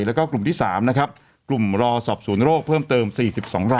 แล้วก็กลุ่มที่สามนะครับกลุ่มรอศพศูนย์โรคเพิ่มเติมสี่สิบสอง